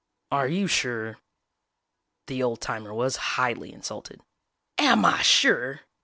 "Are you sure?" The old timer was highly insulted. "Am I sure!!